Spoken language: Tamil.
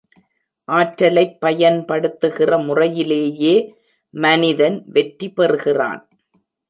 ஆற்றலைப் பயன்படுத்துகிற முறையிலேயே மனிதன் வெற்றி பெறுகிறான்.